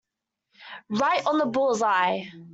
Right on the bull's-eye.